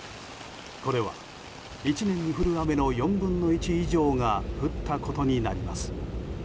これは１年に降る雨の４分の１以上が降ったことになります。